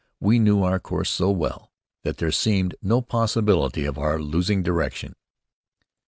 We knew our course so well, that there seemed no possibility of our losing direction.